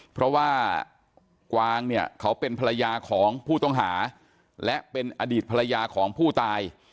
เพราะว่ากวางเนี่ยเขาเป็นภรรยาของผู้ต้องหาและเป็นอดีตภรรยาของผู้ตาย